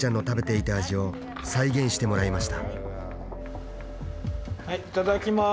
いただきます。